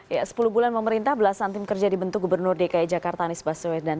ya sepuluh bulan memerintah belasan tim kerja dibentuk gubernur dki jakarta anies baswedan